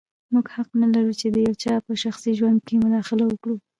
موږ حق نه لرو چې د یو چا په شخصي ژوند کې مداخله وکړو.